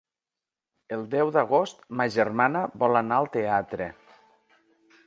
El deu d'agost ma germana vol anar al teatre.